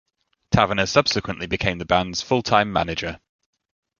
Taverner subsequently became the band's full-time manager.